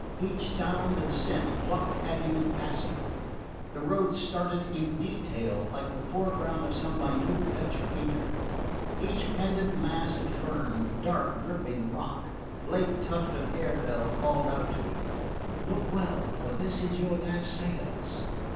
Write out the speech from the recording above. Each sound and scent plucked at him in passing: the roadside started into detail like the foreground of some minute Dutch painter; every pendent mass of fern, dark dripping rock, late tuft of harebell called out to him: "Look well, for this is your last sight of us!"